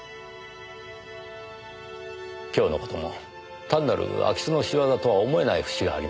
今日の事も単なる空き巣の仕業とは思えない節があります。